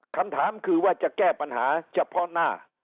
คำถามคือว่าจะแก้ปัญหาเฉพาะหน้า